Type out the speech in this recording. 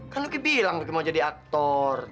kan lo bilang lo mau jadi aktor